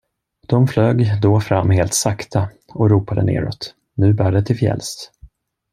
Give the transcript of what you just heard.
De flög då fram helt sakta och ropade neråt: Nu bär det till fjälls.